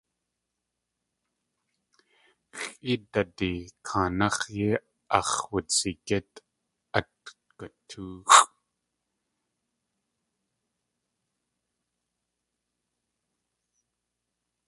Xʼéedadi kaanáx̲ yei ax̲ wudzigít at gutóoxʼ.